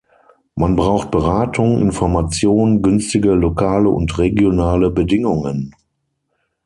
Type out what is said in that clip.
Man braucht Beratung, Information, günstige lokale und regionale Bedingungen.